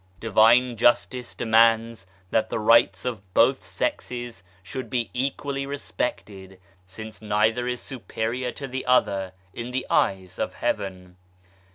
Divine Justice demands that the rights of both sexes should be equally respected since neither is superior to the other in the eyes of Heaven.